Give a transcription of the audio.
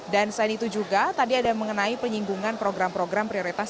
dan selain itu juga tadi ada mengenai penyinggungan program program prioritas